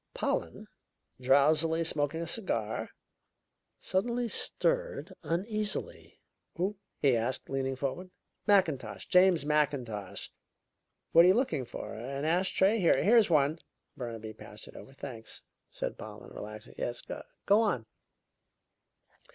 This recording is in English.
Pollen, drowsily smoking a cigar, suddenly stirred uneasily. "Who?" he asked, leaning forward. "Mackintosh James Mackintosh! What are you looking for? An ash tray? Here's one." Burnaby passed it over. "Thanks!" said Pollen, relaxing. "Yes go on!"